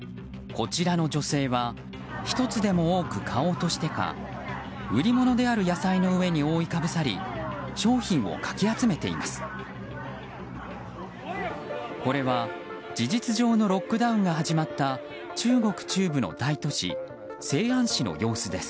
こちらの女性は１つでも多く買おうとしてか売り物である野菜の上に覆いかぶさり商品をかき集めています。